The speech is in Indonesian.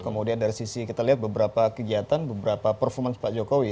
kemudian dari sisi kita lihat beberapa kegiatan beberapa performance pak jokowi